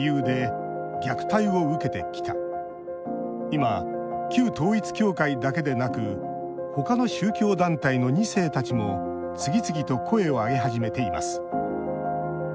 今、旧統一教会だけでなく他の宗教団体の２世たちも次々と声を上げ始めています。